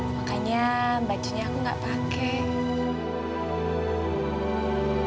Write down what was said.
makanya bajunya aku nggak pakai